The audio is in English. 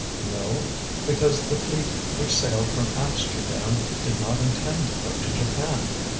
"No. Because the fleet which sailed from Amsterdam did not intend to go to Japan.